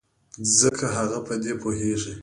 ځکه هغه په دې پوهېږي.